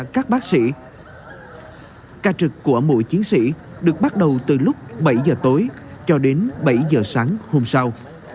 các cán bộ chiến sĩ được bắt đầu từ lúc bảy giờ tối cho đến bảy giờ sáng hôm sau